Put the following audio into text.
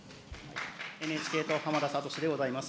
ＮＨＫ党の浜田聡でございます。